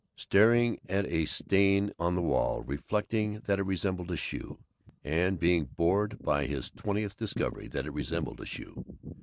Staring at a stain on the wall, reflecting that it resembled a shoe, and being bored by this twentieth discovery that it resembled a shoe.